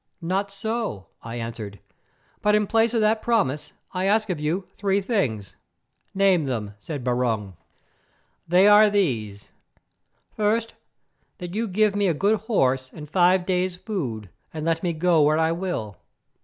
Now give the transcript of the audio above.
"Not so," I answered; "but in place of that promise I ask of you three things." "Name them," said Barung. "They are these: First, that you give me a good horse and five days' food, and let me go where I will.